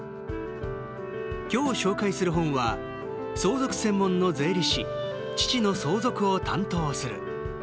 今日、紹介する本は「相続専門の税理士、父の相続を担当する」。